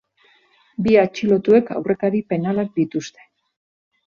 Bi atxilotuek aurrekari penalak dituzte.